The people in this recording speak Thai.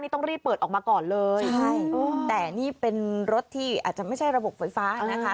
ต้องรีบเปิดออกมาก่อนเลยใช่แต่นี่เป็นรถที่อาจจะไม่ใช่ระบบไฟฟ้านะคะ